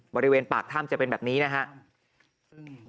บริเวณปากถ้ำจะเป็นแบบนี้นะครับ